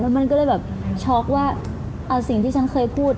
มันก็เลยแบบช็อกว่าเอาสิ่งที่ฉันเคยพูด